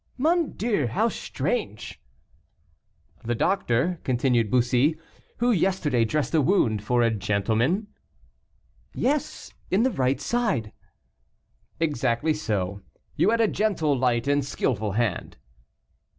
"Mon Dieu! how strange." "The doctor," continued Bussy, "who yesterday dressed a wound for a gentleman?" "Yes, in the right side." "Exactly so. You had a gentle, light, and skilful hand."